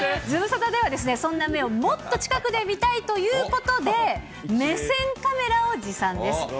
ズムサタでは、そんな目をもっと近くで見たいということで、目線カメラを持参です。